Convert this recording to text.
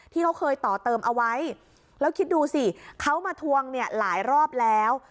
ที่เขาเคยต่อเติมเอาไว้แล้วคิดดูสิเขามาทวงเนี่ยหลายรอบแล้ว